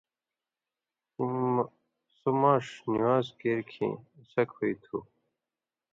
سو ماݜ نِوان٘ز کیر کھیں اڅھک ہُوئ تھُو۔